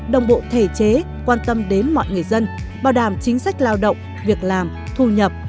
đồng bộ thể chế quan tâm đến mọi người dân bảo đảm chính sách lao động việc làm thu nhập